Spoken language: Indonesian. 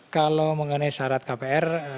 kalau mengenai syarat kpr